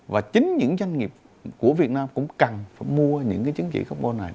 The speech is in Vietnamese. và chính những doanh nghiệp của việt nam cũng cần mua những chính trị carbon này